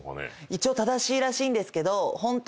一応正しいらしいんですけど。